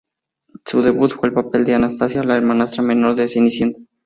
Su debut fue en el papel de Anastasia, la hermanastra menor de Cenicienta.